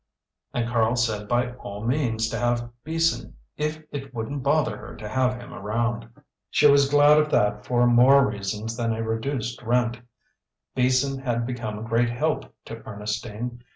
And Karl said by all means to have Beason if it wouldn't bother her to have him around. She was glad of that for more reasons than a reduced rent; Beason had become a great help to Ernestine.